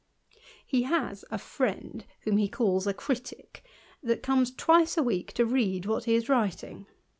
He has a friend, whom he calls a critick, that comes twice a week to read what he is writing.